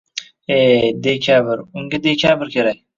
E-e… Dekabr, unga dekabr kerak